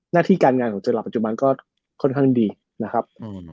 หน้าที่การงานของเจอหลักปัจจุบันก็ค่อนข้างดีนะครับ